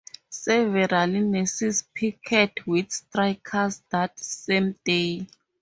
Several nurses picketed with strikers that same day.